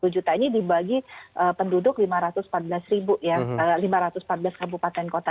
dua puluh juta ini dibagi penduduk lima ratus empat belas ribu ya lima ratus empat belas kabupaten kota